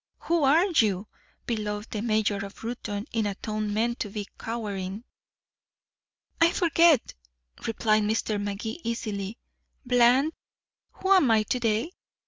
"Who are you?" bellowed the mayor of Reuton in a tone meant to be cowering. "I forget," replied Mr. Magee easily. "Bland, who am I to day?